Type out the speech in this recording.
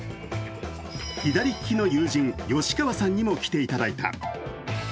左利きの友人、吉川さんにも来ていただいた。